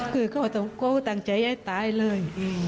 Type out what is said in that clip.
คือเขาตั้งใจให้ตายเลย